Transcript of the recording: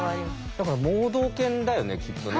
だから盲導犬だよねきっとね。